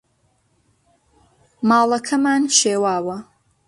ماڵەکەمان شێواوە.